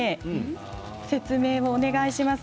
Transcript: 説明もお願いします。